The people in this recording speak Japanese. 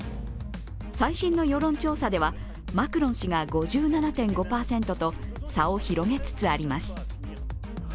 最新の世論調査では、マクロン氏が５７．５％と差を広げつつあります。